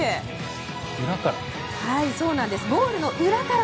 裏から？